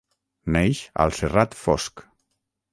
Neix al Serrat Fosc.